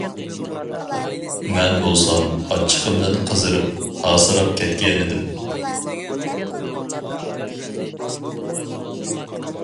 مەن بولسام ئاچچىقىمدىن قىزىرىپ ھاسىراپ كەتكەنىدىم.